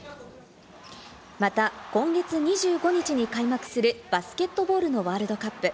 また、今月２５日に開幕するバスケットボールのワールドカップ。